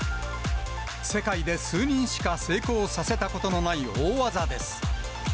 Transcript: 世界で数人しか成功させたことのない大技です。